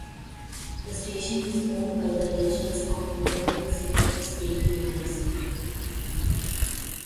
The station is owned by the Regents of New Mexico State University.